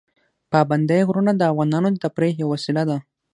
پابندی غرونه د افغانانو د تفریح یوه وسیله ده.